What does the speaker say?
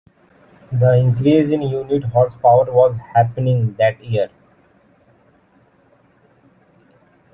The increase in unit horsepower was happening that year.